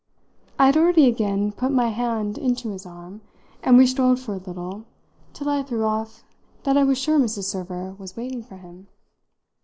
I had already again put my hand into his arm, and we strolled for a little till I threw off that I was sure Mrs. Server was waiting for him.